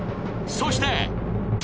そして。